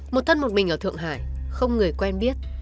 một thân một mình ở thượng hải không người quen biết